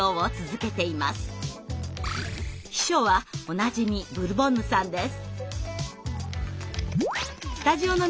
秘書はおなじみブルボンヌさんです。